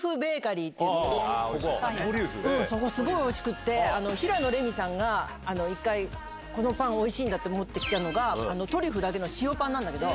そこすごいおいしくて平野レミさんが「このパンおいしいんだ」って持って来たのがトリュフの塩パンなんだけど。